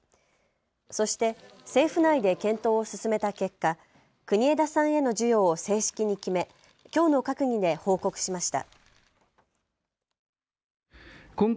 そして政府内で検討を進めた結果、国枝さんへの授与を正式に決めきょうの閣議で報告しました。